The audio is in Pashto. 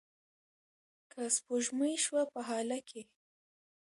که سپوږمۍ شوه په هاله کې